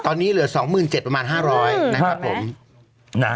ตอนนี้เหลือ๒๗๐๐๐ประมาณ๕๐๐บาทนะครับผม